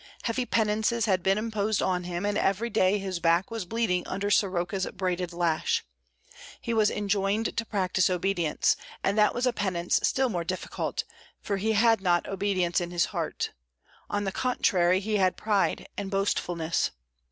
Heavy penances had been imposed on him, and every day his back was bleeding under Soroka's braided lash; he was enjoined to practice obedience, and that was a penance still more difficult, for he had not obedience in his heart; on the contrary, he had pride and boastfulness.